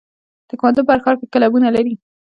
تکواندو په هر ښار کې کلبونه لري.